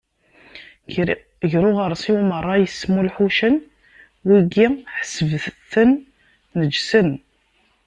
Gar uɣersiw meṛṛa yesmulḥucen, wigi ḥesbet-ten neǧsen.